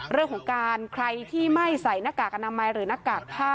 เรื่องของการใครที่ไม่ใส่หน้ากากอนามัยหรือหน้ากากผ้า